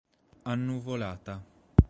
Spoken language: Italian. Annuvolata.